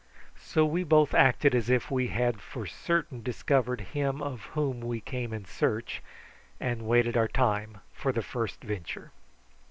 So we both acted as if we had for certain discovered him of whom we came in search, and waited our time for the first venture.